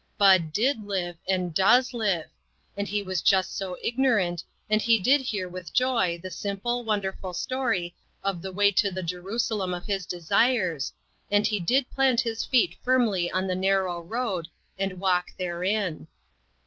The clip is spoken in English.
Bud did live, and does live ; and he was just so ignorant, and he did hear with joy the simple, wonderful story of the way to the Jerusalem of his desires, and he did plant his feet firmly on the nar row road, and walk therein.